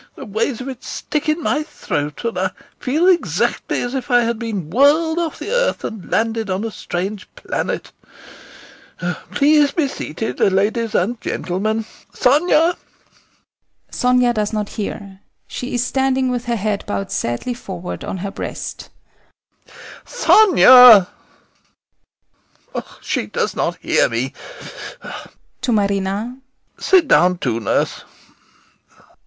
The ways of it stick in my throat and I feel exactly as if I had been whirled off the earth and landed on a strange planet. Please be seated, ladies and gentlemen. Sonia! [SONIA does not hear. She is standing with her head bowed sadly forward on her breast] Sonia! [A pause] She does not hear me. [To MARINA] Sit down too, nurse.